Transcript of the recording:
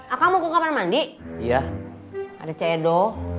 aku mau ke kamar mandi ada cedo